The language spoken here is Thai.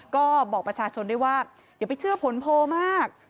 ก็บอกประชาชนได้ว่าอย่าไปเชื่อผลโพลมาก